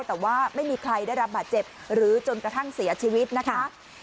แต่ว่าไม่มีใครได้รับบาดเจ็บหรือจนกระทั่งเสียชีวิตนะคะ